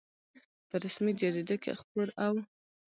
په رسمي جریده کې خپور او